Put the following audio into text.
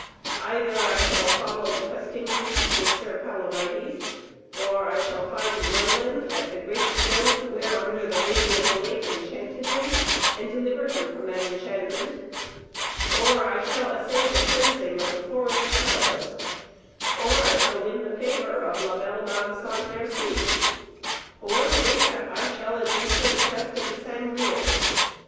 Either I shall follow the Questing Beast with Sir Palamides, or I shall find Merlin at the great stone whereunder the Lady of the Lake enchanted him and deliver him from that enchantment, or I shall assay the cleansing of the Forest Perilous, or I shall win the favour of La Belle Dame Sans Merci, or mayhap I shall adventure the quest of the Sangreal.